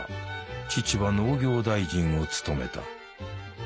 父は農業大臣を務めた。